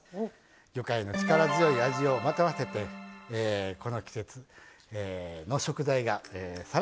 魚介の力強い味をまとわせてこの季節の食材がさらにおいしくなっていきます。